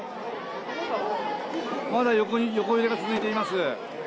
まだ横揺れが続いています。